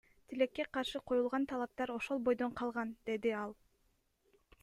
Тилекке каршы, коюлган талаптар ошол бойдон калган, — деди ал.